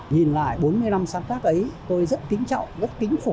nhìn lại bốn mươi năm sáng tác ấy tôi rất kính trọng rất kính phục